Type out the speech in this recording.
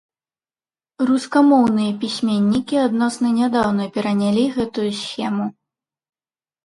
Рускамоўныя пісьменнікі адносна нядаўна перанялі гэтую схему.